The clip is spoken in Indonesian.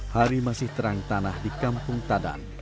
hari masih terang tanah di kampung tadan